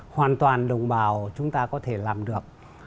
hoàn toàn đồng bào chúng ta có thể làm được